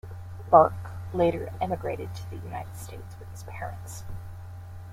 Burke later emigrated to the United States with his parents.